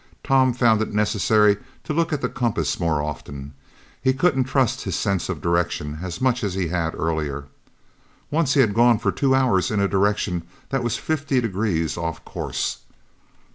Tom found it necessary to look at the compass more often. He couldn't trust his sense of direction as much as he had earlier. Once, he had gone for two hours in a direction that was fifty degrees off course.